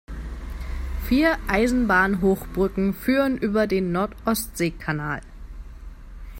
Vier Eisenbahnhochbrücken führen über den Nord-Ostsee-Kanal.